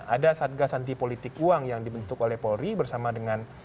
ada satgas anti politik uang yang dibentuk oleh polri bersama dengan